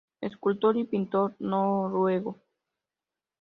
Escultor y pintor noruego.